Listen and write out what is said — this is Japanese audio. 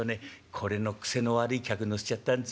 これの癖の悪い客乗せちゃったんすよ。